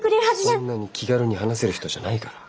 そんなに気軽に話せる人じゃないから。